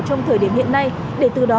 trong thời điểm hiện nay để từ đó